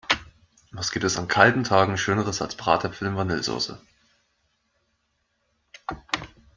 Was gibt es an kalten Tagen schöneres als Bratäpfel in Vanillesoße!